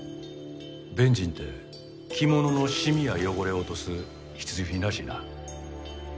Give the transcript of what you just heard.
ベンジンって着物のシミや汚れを落とす必需品らしいな。